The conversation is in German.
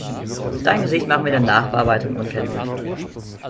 Dein Gesicht machen wir in der Nachbearbeitung unkenntlich.